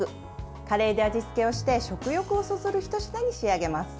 カレーで味付けをして食欲をそそるひと品に仕上げます。